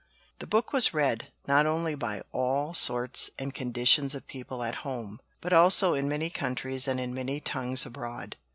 The book was read, not only by all sorts and conditions of people at home, but also in many countries and in many tongues abroad.